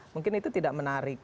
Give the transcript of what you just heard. mungkin itu tidak menarik